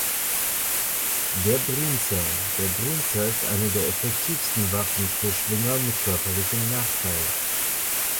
Der Brienzer: Der Brienzer ist eine der effektivsten Waffen für Schwinger mit körperlichem Nachteil.